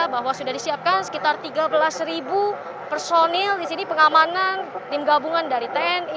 bahwa sudah disiapkan sekitar tiga belas personil di sini pengamanan tim gabungan dari tni